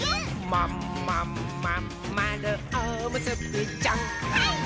「まんまんまんまるおむすびちゃん」はいっ！